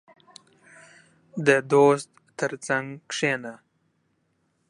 • د دوست تر څنګ کښېنه.